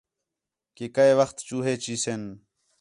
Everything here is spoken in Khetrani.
کہ کئے وخت چوہے چی سِن